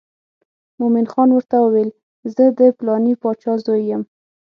مومن خان ورته وویل زه د پلانې باچا زوی یم.